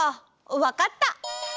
わかった。